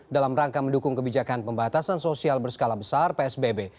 dalam rangka mendukung kebijakan pembatasan sosial berskala besar psbb